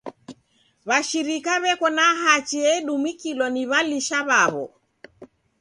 W'ashirika w'eko na hachi edumikilwa ni w'alisha w'aw'o.